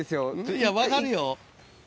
いや分かるよ。